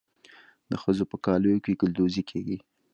د ښځو په کالیو کې ګلدوزي کیږي.